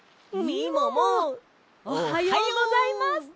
みももおはようございます。